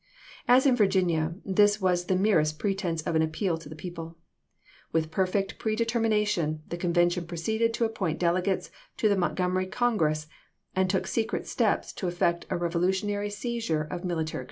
As in Virginia, this was the merest pretense of an appeal to the people. With perfect predetermination, the convention proceeded to ap point delegates to the Montgomery Congi ess, and took secret steps to effect a revolutionary seizure of military control.